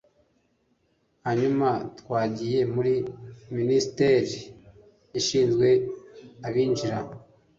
hanyuma twagiye muri minisiteri ishinzwe abinjira